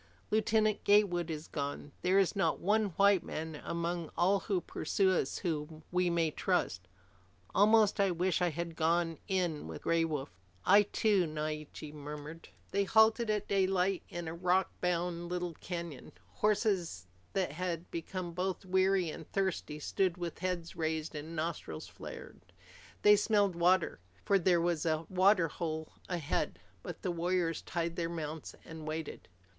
Lieutenant Gatewood is gone. There is not one white man among all who pursue us whom we may trust. Almost I wish that I had gone in with Chief Gray Wolf." "I too," Naiche murmured. They halted at daylight in a rockbound little canyon. Horses that had become both weary and thirsty stood with heads raised and nostrils flared. They smelled water, for there was a water hole ahead. But the warriors tied their mounts and waited.